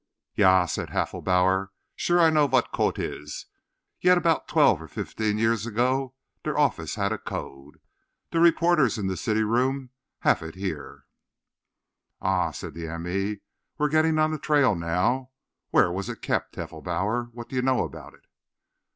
"Yah," said Heffelbauer. "Sure I know vat a code is. Yah, apout dwelf or fifteen year ago der office had a code. Der reborters in der city room haf it here." "Ah!" said the m. e. "We're getting on the trail now. Where was it kept, Heffelbauer? What do you know about it?"